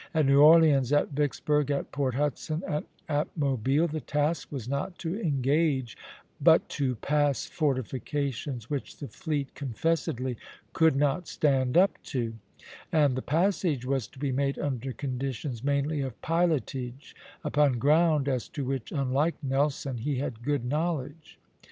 At New Orleans, at Vicksburg, at Port Hudson, and at Mobile, the task was not to engage, but to pass fortifications which the fleet confessedly could not stand up to; and the passage was to be made under conditions mainly of pilotage upon ground as to which, unlike Nelson, he had good knowledge.